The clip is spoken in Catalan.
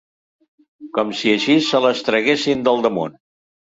Com si així se les traguessin del damunt.